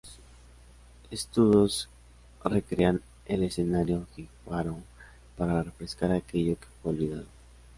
Estudios, recrean el escenario jíbaro para refrescar aquello que fue olvidado.